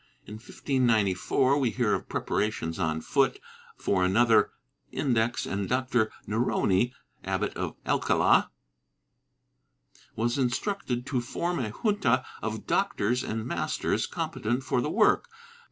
In 1594 we hear of preparations on foot for another Index and Doctor Neroni, Abbot of Alcala was instructed to form a junta of doctors and masters competent for the work.